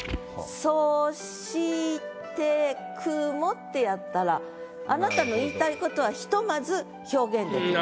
「そして雲」ってやったらあなたの言いたい事はひとまず表現できます。